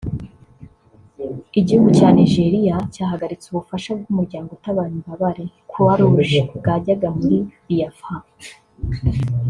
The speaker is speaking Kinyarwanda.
igihugu cya Nigeria cyahagaritse ubufasha bw’umuryango utabara imbabare (Croix Rouge) bwajyaga muri Biafra